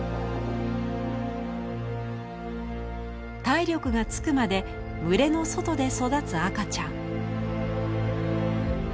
体力がつくまで群れの外で育つ赤ちゃん。